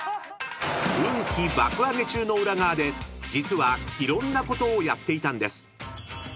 ［運気爆上げ中の裏側で実はいろんなことをやっていたんです］